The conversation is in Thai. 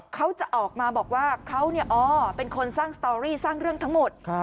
เขาจะออกมาบอกว่าเขาเป็นคนสร้างสตอรี่สร้างเรื่องทั้งหมด